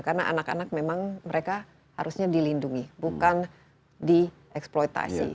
karena anak anak memang mereka harusnya dilindungi bukan dieksploitasi